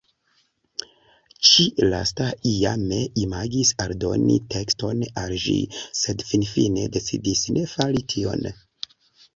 Ĉi-lasta iame imagis aldoni tekston al ĝi, sed finfine decidis ne fari tion.